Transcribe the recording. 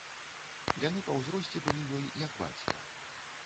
Яны па ўзросце былі ёй як бацька.